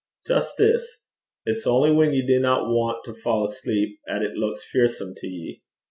'Jist this: it's only whan ye dinna want to fa' asleep 'at it luiks fearsome to ye.